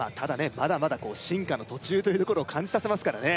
まだまだ進化の途中というところを感じさせますからね